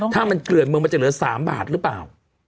ถ้ามันเกลื่อนเมืองมันจะเหลือ๓บาทหรือเปล่า